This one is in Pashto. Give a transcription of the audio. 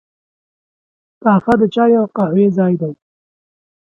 کافه د چای او قهوې ځای دی.